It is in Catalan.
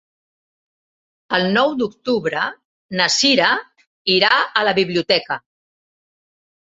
El nou d'octubre na Sira irà a la biblioteca.